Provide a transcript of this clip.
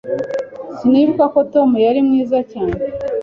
Sinibuka ko Tom yari mwiza cyane.